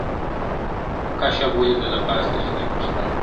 کشپ ولیدل له پاسه شنه کښتونه ..